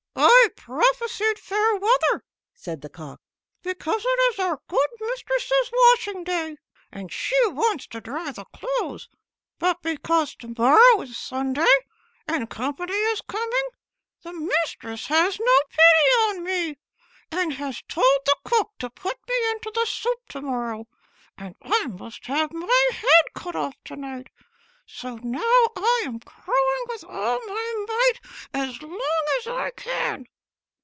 "I prophesied fair weather," said the cock, "because it is our good mistress's washing day, and she wants to dry the clothes; but because to morrow is Sunday, and company is coming, the mistress has no pity on me, and has told the cook to put me into the soup to morrow, and I must have my head cut off to night: so now I am crowing with all my might as long as I can."